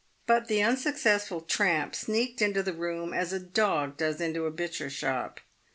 But the unsuccessful tramp sneaked into the room as a dog does into a butcher's shop.